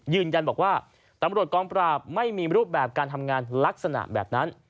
ยืนยันบอกว่าตำรวจกองปราบไม่มีรูปแบบการทำงานลักษณะแบบนั้น